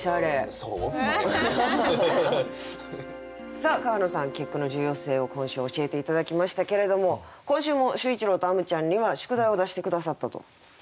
さあ川野さん結句の重要性を今週教えて頂きましたけれども今週も秀一郎とあむちゃんには宿題を出して下さったと。